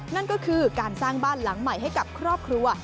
นั่นก็คือการสร้างบ้านหลังใหม่ให้กับครอบครัว